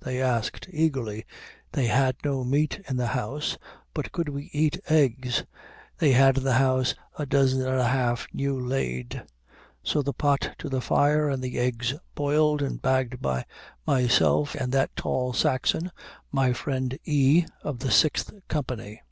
they asked eagerly. "They had no meat in the house; but could we eat eggs? They had in the house a dozen and a half, new laid." So the pot to the fire, and the eggs boiled, and bagged by myself and that tall Saxon, my friend E., of the Sixth Company.